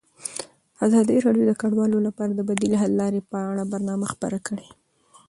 ازادي راډیو د کډوال لپاره د بدیل حل لارې په اړه برنامه خپاره کړې.